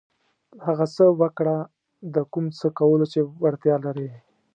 هغه څه وکړه د کوم څه کولو چې وړتیا لرئ.